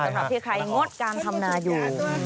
ใช่ครับที่ใครงดการธรรมนาอยู่